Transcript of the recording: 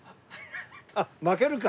あっ「負ける」か。